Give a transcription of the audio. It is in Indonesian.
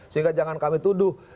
sehingga jangan kami tuduh